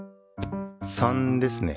３ですね。